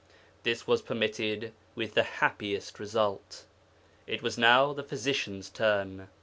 This was permitted with the happiest result. It was now the physician's turn.